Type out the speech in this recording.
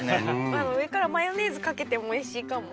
上からマヨネーズかけてもおいしいかも。